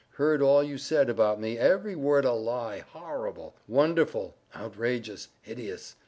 —heard all you said about me—every word a lie—horrible!—wonderful!—outrageous!—hideous!